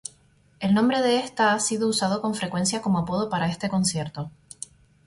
El nombre de esta ha sido usado con frecuencia como apodo para este concierto.